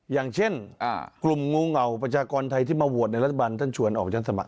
อย่างเช่นกลุ่มงูเหงาประชากรไทยที่มาโหวตในรัฐบาลท่านชวนออกชั้นสมั